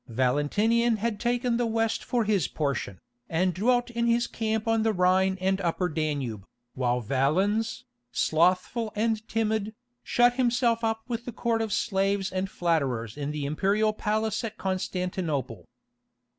Valentinian had taken the West for his portion, and dwelt in his camp on the Rhine and Upper Danube, while Valens, slothful and timid, shut himself up with a court of slaves and flatterers in the imperial palace at Constantinople.